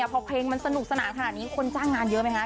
พอเพลงมันสนุกสนานขนาดนี้คนจ้างงานเยอะไหมคะ